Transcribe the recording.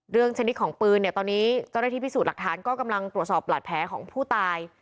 ชนิดของปืนเนี่ยตอนนี้เจ้าหน้าที่พิสูจน์หลักฐานก็กำลังตรวจสอบบาดแผลของผู้ตาย